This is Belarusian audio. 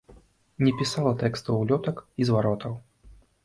Не пісала тэкстаў улётак і зваротаў.